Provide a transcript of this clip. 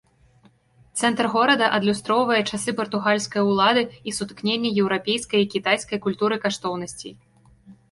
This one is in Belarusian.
Цэнтр горада адлюстроўвае часы партугальскай улады і сутыкненне еўрапейскай і кітайскай культур і каштоўнасцей.